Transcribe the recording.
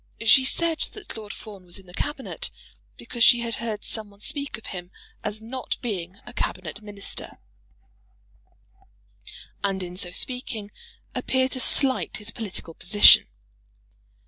She said that Lord Fawn was in the Cabinet because she had heard some one speak of him as not being a Cabinet Minister, and in so speaking appear to slight his political position.